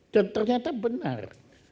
dan ternyata benar